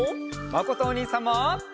まことおにいさんも！